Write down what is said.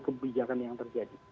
kebijakan yang terjadi